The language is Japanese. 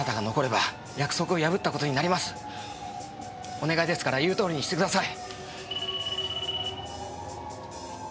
お願いですから言う通りにしてください。